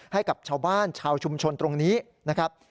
ให้กับชาวบ้านชาวชุมชนตรงนี้นะครับ